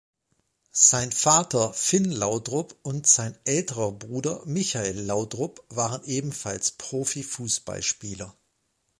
Sein Vater Finn Laudrup und sein älterer Bruder Michael Laudrup waren ebenfalls Profifußballspieler.